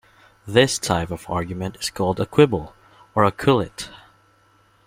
This type of argument is called a "quibble" or "quillet".